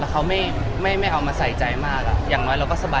แล้วเขาไม่ไม่เอามาใส่ใจมากอะ